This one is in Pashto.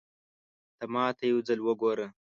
ته ماته يو ځل وګوره